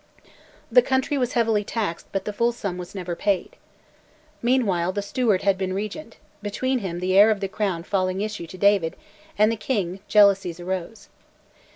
The country was heavily taxed, but the full sum was never paid. Meanwhile the Steward had been Regent; between him, the heir of the Crown failing issue to David, and the King, jealousies arose.